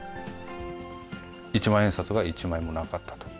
一万円札が一枚もなかったと。